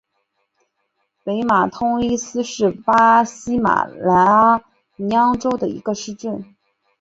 北马通伊斯是巴西马拉尼昂州的一个市镇。